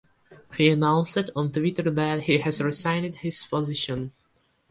He announced on Twitter that he has resigned his position.